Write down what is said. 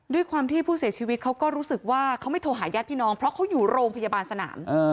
ด้วยความที่ผู้เสียชีวิตเขาก็รู้สึกว่าเขาไม่โทรหาญาติพี่น้องเพราะเขาอยู่โรงพยาบาลสนาม